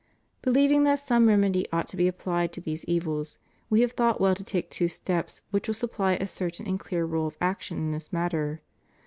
Believing that some remedy ought to be applied to these e^dls, We have thought well to take two steps which will supply a certain and clear rule of action in this matter.